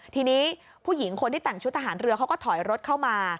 ทีนี้ผู้หญิงคนที่แต่งชุดทหารเรือเขาก็ถอยรถเข้ามา